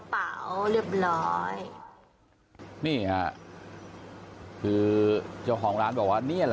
มันก็แบบเนี้ยก็มองไกลก็แทบไม่เห็นน่ะ